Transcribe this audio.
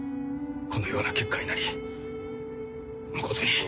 このような結果になり誠に。